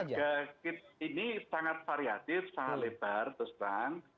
jadi harga kit ini sangat variatif sangat lebar terus terang